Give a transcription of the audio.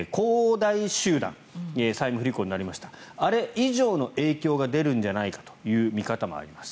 大集団債務不履行になりましたあれ以上の影響が出るんじゃないかという見方もあります。